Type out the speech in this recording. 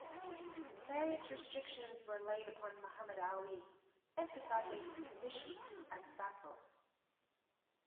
Various restrictions were laid upon Muhammad Ali, emphasizing his position as vassal.